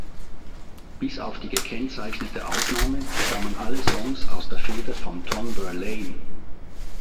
Bis auf die gekennzeichnete Ausnahme stammen alle Songs aus der Feder von Tom Verlaine.